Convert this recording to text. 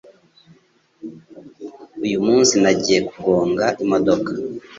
Uyu munsi, nagiye kugonga imodoka